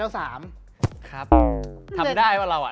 ทำได้ป่ะเรา